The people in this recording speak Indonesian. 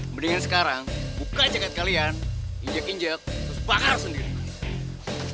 mendingan sekarang buka jaket kalian injek injek terus paham sendiri